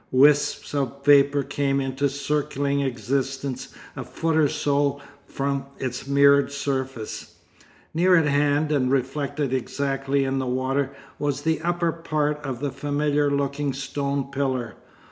Wisps of vapour came into circling existence a foot or so from its mirror surface. Near at hand and reflected exactly in the water was the upper part of a familiar looking stone pillar.